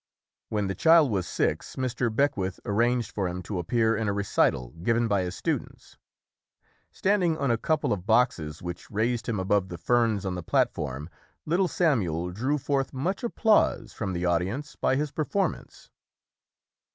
When the child was six, Mr. Beckwith arranged for him to appear in a recital given by his students. Standing on a couple of boxes which raised him above the ferns on the platform, little Samuel drew forth much applause from the audience by his performance.